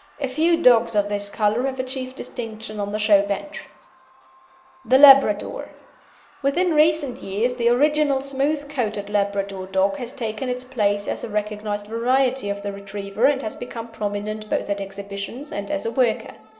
A few dogs of this colour have achieved distinction on the show bench. THE LABRADOR Within recent years the original smooth coated Labrador dog has taken its place as a recognised variety of the Retriever and become prominent both at exhibitions and as a worker.